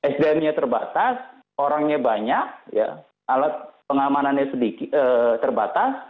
sdm nya terbatas orangnya banyak alat pengamanannya terbatas